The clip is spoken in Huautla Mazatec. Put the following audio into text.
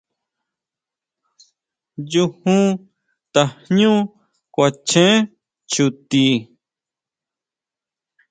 Nyujun tajñú kuachen chuti.